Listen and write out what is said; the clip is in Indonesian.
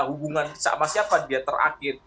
hubungan sama siapa dia terakhir